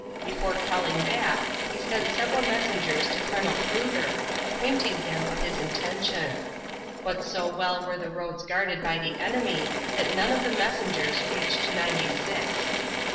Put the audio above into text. Before falling back he sent several messengers to Colonel Cruger, acquainting him of his intention. But so well were the roads guarded by the enemy that none of the messengers reached Ninety six.